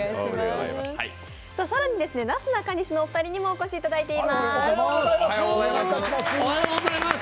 更になすなかにしのお二人にもお越しいただいています。